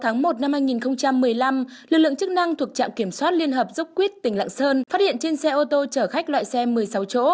ngày một hai nghìn một mươi năm lực lượng chức năng thuộc trạm kiểm soát liên hợp dốc quýt tỉnh lạng sơn phát hiện trên xe ô tô chở khách loại xe một mươi sáu chỗ